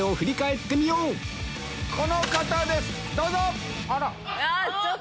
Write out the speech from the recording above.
この方ですどうぞ！